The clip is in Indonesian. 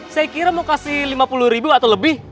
saya kira mau kasih lima puluh ribu atau lebih